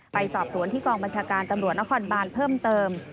ไปสอบสวนที่กองบัญชาการตำรวจนครบานเพิ่มเติม